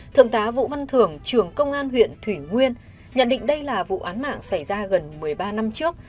thượng tá vũ văn thưởng trưởng công an huyện thủy nguyên nhận định đây là vụ án mạng xảy ra gần một mươi ba năm trước